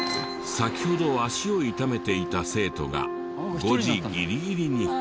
先ほど足を痛めていた生徒が５時ギリギリに。